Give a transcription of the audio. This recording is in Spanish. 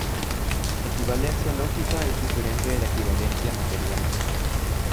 Equivalencia lógica es diferente de la equivalencia material.